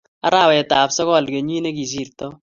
arawetab sogol kenyit negisirtoi